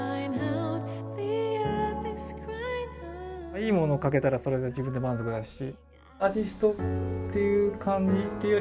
いいものを描けたらそれで自分で満足だし。